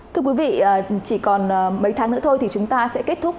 thưa quý vị chỉ còn mấy tháng nữa thôi thì chúng ta sẽ kết thúc